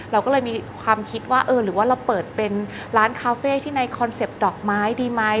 เราก็เลยมีความคิดว่าเออหรือว่าเราเปิดเป็นร้านคาเฟ่ที่ในคอนเซ็ปต์ดอกไม้ดีไหม